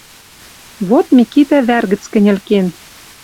Вот Микитӓ вӓр гӹц кӹньӹл кен